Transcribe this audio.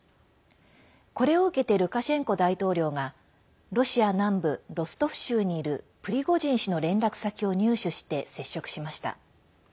これを受けてルカシェンコ大統領がロシア南部ロストフ州にいるプリゴジン氏の連絡先を入手して接触しました。